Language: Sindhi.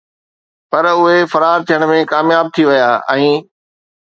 پر اهي فرار ٿيڻ ۾ ڪامياب ٿي ويا ۽